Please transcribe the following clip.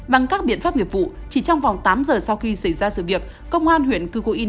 bằng các biện pháp nghiệp vụ chỉ trong vòng tám giờ sau khi xảy ra sự việc công an huyện cư cu yên